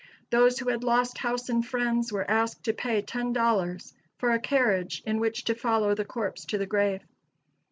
Those who had lost house and friends, were asked to pay ten dollars for a carriage in which to follow the corpse to the grave.